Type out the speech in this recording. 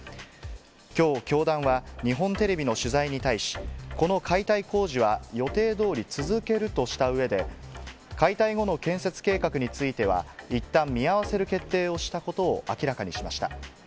きょう教団は、日本テレビの取材に対し、この解体工事は予定どおり続けるとしたうえで、解体後の建設計画については、いったん見合わせる決定をしたことを明らかにしました。